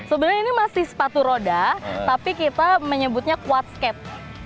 sebenarnya ini masih sepatu roda tapi kita menyebutnya quad skate